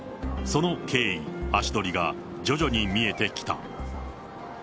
その経緯、足取りが徐々に見えてきた。